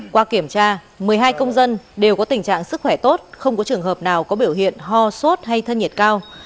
qua kiểm tra một mươi hai công dân đều có tình trạng sức khỏe tốt không có trường hợp nào có biểu hiện ho sốt hay thân nhiệt cao